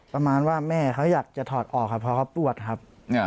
ประมาณว่าแม่เขาอยากจะถอดออกครับเพราะเขาปวดครับ